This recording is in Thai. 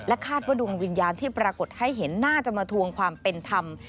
คาดว่าดวงวิญญาณที่ปรากฏให้เห็นน่าจะมาทวงความเป็นธรรม